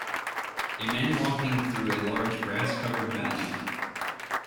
A man walking through a large grasscovered valley